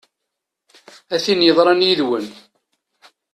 A tin yeḍran yid-wen!